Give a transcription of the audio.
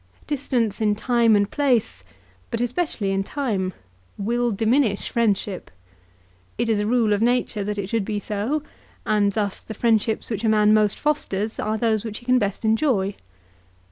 Distance in time and place, but especially in time, will diminish friendship. It is a rule of nature that it should be so, and thus the friendships which a man most fosters are those which he can best enjoy.